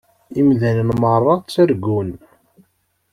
Imdanen meṛṛa ttargun.